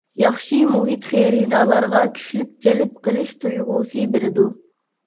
ياخشى مۇھىت خېرىدارلارغا كۈچلۈك جەلپ قىلىش تۇيغۇسى بېرىدۇ.